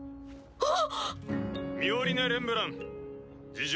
あっ！